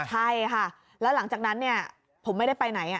ใช่ค่ะแล้วหลังจากนั้นผมไม่ได้ไปไหน